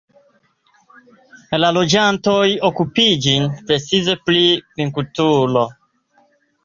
La loĝantoj okupiĝis precipe pri vinkulturo.